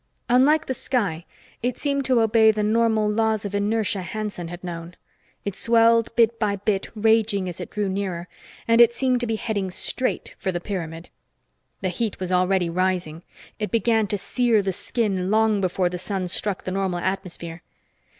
Unlike the sky, it seemed to obey the normal laws of inertia Hanson had known. It swelled bit by bit, raging as it drew nearer. And it seemed to be heading straight for the pyramid. The heat was already rising. It began to sear the skin long before the sun struck the normal atmosphere.